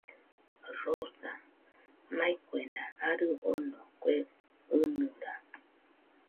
Rosa, mai kuena arɨ ono, kue ɨnɨra